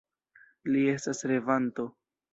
Li estas revanto!